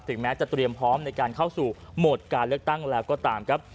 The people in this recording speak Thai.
แม้จะเตรียมพร้อมในการเข้าสู่โหมดการเลือกตั้งแล้วก็ตามครับ